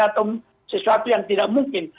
atau sesuatu yang tidak mungkin